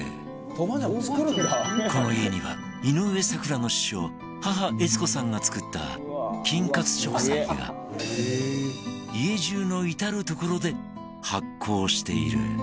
この家には井上咲楽の師匠母悦子さんが作った菌活食材が家中の至る所で発酵している